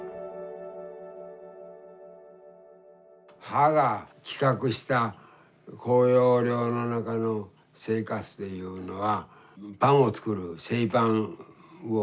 母が企画した向陽寮の中の生活というのはパンを作る製パンをする。